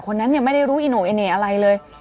คนนั้นเนี่ยไม่ได้รู้อิโนะไอเนะอะไรเลย